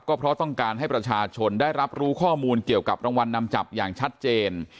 ก็เพราะต้องการให้ประชาชนได้รับรู้ข้อมูลเกี่ยวกับรางวัลนำจับอย่างชัดเจน